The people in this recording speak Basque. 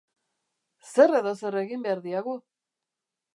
Zer edo zer egin behar diagu!